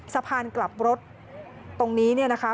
สะพานกลับรถตรงนี้นะคะ